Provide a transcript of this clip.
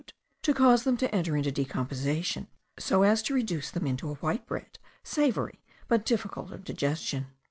to cause them to enter into decomposition so as to reduce them into a white bread, savoury, but difficult of digestion.